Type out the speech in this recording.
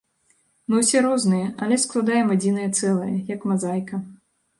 Мы ўсе розныя, але складаем адзінае цэлае, як мазаіка.